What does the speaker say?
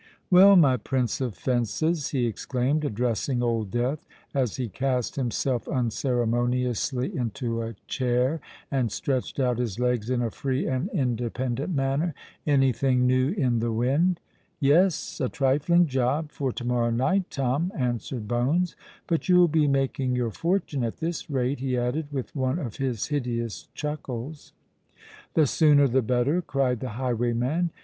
"Well, my prince of fences," he exclaimed, addressing Old Death, as he cast himself unceremoniously into a chair, and stretched out his legs in a free and independent manner, "any thing new in the wind?" "Yes—a trifling job—for to morrow night, Tom," answered Bones. "But you'll be making your fortune at this rate?" he added, with one of his hideous chuckles. "The sooner, the better," cried the highwayman.